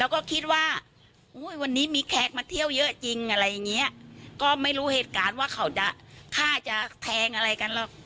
แล้วก็คิดว่าวันนี้มีแขกมาเที่ยวเยอะจริงก็ไม่รู้เหตุการณ์ว่าเขาถรวงแตกออกต้องต้องเทิงอะไรหรอก